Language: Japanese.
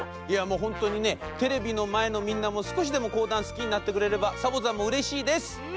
いやもうほんとにねテレビのまえのみんなもすこしでもこうだんすきになってくれればサボざんもうれしいです！